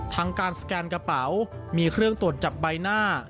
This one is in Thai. ทั้งการสแกนกระเป๋ามีเครื่องตรวจจับใบหน้า